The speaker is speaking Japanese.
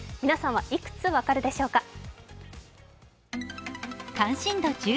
皆さんはいくつ分かるでしょうか？